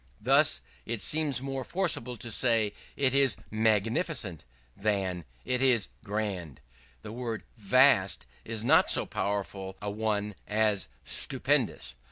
Thus it seems more forcible to say, "It is magnificent," than "It is grand." The word vast is not so powerful a one as _stupendous.